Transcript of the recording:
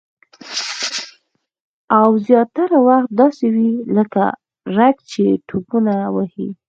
او زیاتره وخت داسې وي لکه رګ چې ټوپونه وهي